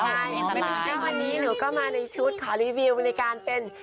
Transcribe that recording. ใช่แล้ววันนี้หนูก็มาในชุดขอรีวิวในการเป็น